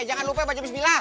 eh jangan lupa pak jomis bila